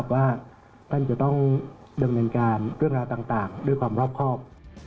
ว่าท่านจะต้องดำเนินการเรื่องราวต่างด้วยความรอบครอบ